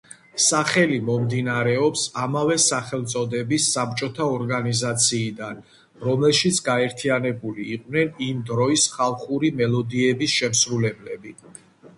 სახელი მომდინარეობს ამავე სახელწოდების საბჭოთა ორგანიზაციიდან, რომელშიც გაერთიანებული იყვნენ იმ დროის ხალხური მელოდიების შემსრულებლები.